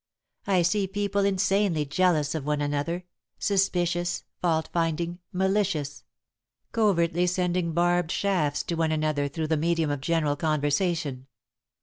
I see people insanely jealous of one another, suspicious, fault finding, malicious; covertly sending barbed shafts to one another through the medium of general conversation.